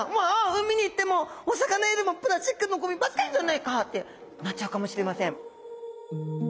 海に行ってもお魚よりもプラスチックのゴミばっかりじゃないかってなっちゃうかもしれません。